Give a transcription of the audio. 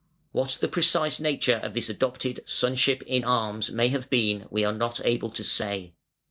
What the precise nature of this adopted "sonship in arms" may have been we are not able to say.